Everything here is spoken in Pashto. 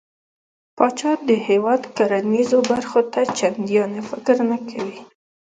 پاچا د هيواد کرنېزو برخو ته چنديان فکر نه کوي .